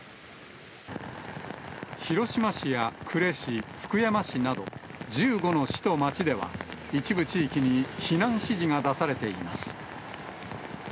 広島市や呉市、福山市など、１５の市と町では、一部地域に避難指示が出されています。